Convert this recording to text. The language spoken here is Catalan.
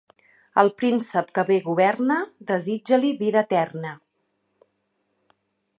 Al príncep que bé governa, desitja-li vida eterna.